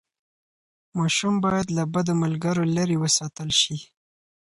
ماشومان باید له بدو ملګرو لرې وساتل شي.